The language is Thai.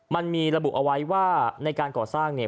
มันมีระบุเอาไว้ว่าในการก่อสร้างเนี่ย